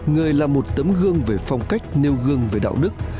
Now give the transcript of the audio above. người là một tấm gương về phong cách nêu gương về đạo đức